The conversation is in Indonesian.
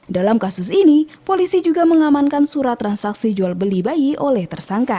dalam kasus ini polisi juga mengamankan surat transaksi jual beli bayi oleh tersangka